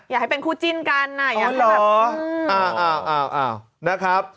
อยากให้เป็นคู่จิ้นกันนะอยากให้แบบอ้าวนะครับ